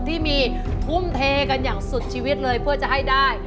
ที่มีทุ่มเทกันอย่างสุดชีวิตเลยเพื่อจะให้ได้